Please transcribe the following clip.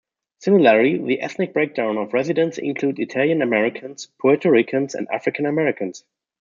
Similarly, the ethnic breakdown of residents includes Italian-Americans, Puerto Ricans, and African-Americans.